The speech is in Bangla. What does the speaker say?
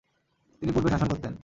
তিনি পূর্বে শাসন করতেন।